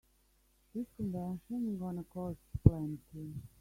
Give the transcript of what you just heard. This convention's gonna cost plenty.